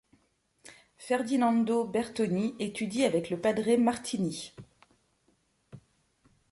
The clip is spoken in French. Ferdinando Bertoni étudie avec le Padre Martini.